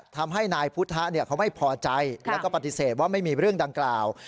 ทำให้นายพุทธะเขาไม่พอใจแล้วก็ปฏิเสธว่าไม่มีเรื่องดังกล่าว